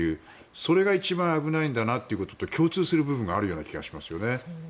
それが一番危ないんだなということと共通する部分がある気がしますね。